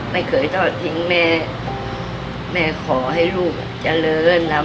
ไม่เคยทอดทิ้งแม่แม่ขอให้ลูกเจริญแล้ว